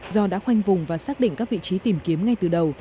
do đã khoanh vùng và xác định các vị trí tìm kiếm ngay từ đầu